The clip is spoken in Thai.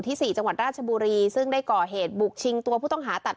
สี่จังหวัดราชบุรีซึ่งได้ก่อเหตุบุกชิงตัวผู้ต้องหาตัด